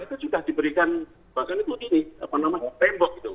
pilaran itu juga diberikan bahkan itu ini apa namanya tembok itu